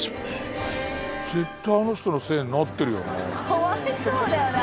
かわいそうだよね